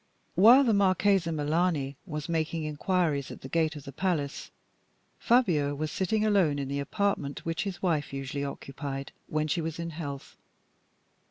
While the Marchesa Melani was making inquiries at the gate of the palace, Fabio was sitting alone in the apartment which his wife usually occupied when she was in health.